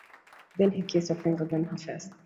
Then he kissed her fingers, then her face.